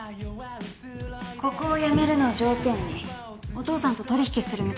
ここを辞めるのを条件にお父さんと取引するみたいですよ。